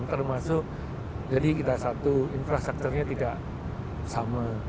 termasuk jadi kita satu infrastrukturnya tidak sama